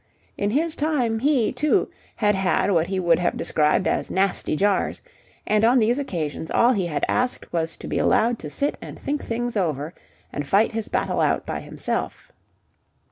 In his time he, too, had had what he would have described as nasty jars, and on these occasions all he had asked was to be allowed to sit and think things over and fight his battle out by himself.